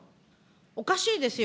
おかしいですよ。